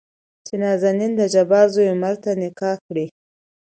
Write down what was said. چې نازنين دجبار زوى عمر ته نکاح کړي.